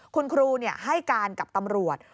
คุณครูให้การกับตำรวจ